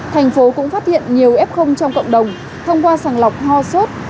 thành phố cũng phát hiện nhiều f trong cộng đồng thông qua sàng lọc ho sốt